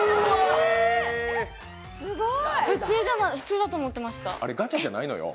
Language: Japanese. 普通だと思ってました